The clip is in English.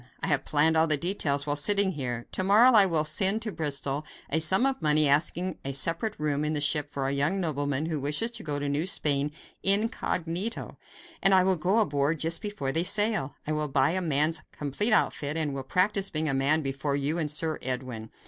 I have planned all the details while sitting here. To morrow I will send to Bristol a sum of money asking a separate room in the ship for a young nobleman who wishes to go to New Spain incognito, and will go aboard just before they sail. I will buy a man's complete outfit, and will practice being a man before you and Sir Edwin."